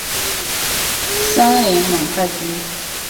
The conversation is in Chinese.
森林蒙泰居。